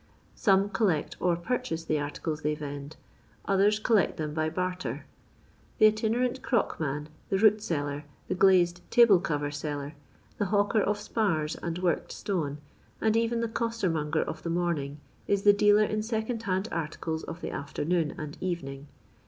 Some collect or purchase the articles they vend ; others collect them by barter. The itinerant crock man, the root seller, the glazed table cover seller, the hnwker of spars and worked stone, and even the costermonger of the morning, is the dealer in second hand articles of the afternoon and evening.